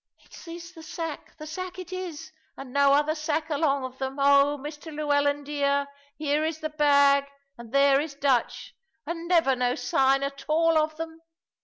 "It is the sack; the sack it is! And no other sack along of them. Oh, Mr Llewellyn, dear, here is the bag, and there is Dutch, and never no sign at all of them!"